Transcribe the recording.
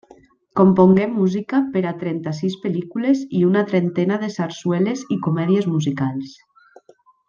Compongué música per a trenta-sis pel·lícules i una trentena de sarsueles i comèdies musicals.